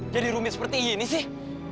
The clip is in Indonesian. jadi rumit seperti ini sih